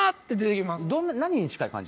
何に近い感じ？